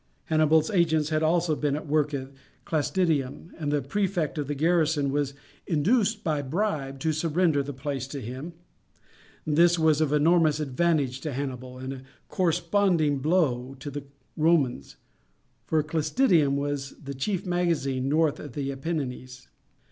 Hannibal's agents had also been at work at Clastidium, and the prefect of the garrison was induced by a bribe to surrender the place to him. This was of enormous advantage to Hannibal, and a corresponding blow to the Romans, for Clastidium was the chief magazine north of the Apennines.